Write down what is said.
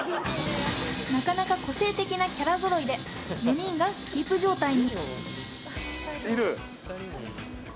なかなか個性的なキャラぞろいで４人がキープ状態に。